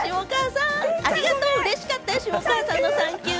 ありがとう、嬉しかったよ、下川さんのサンキュー！